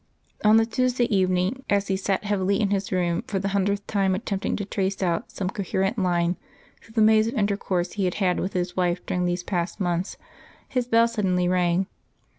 On the Tuesday evening, as he sat heavily in his room, for the hundredth time attempting to trace out some coherent line through the maze of intercourse he had had with his wife during these past months, his bell suddenly rang.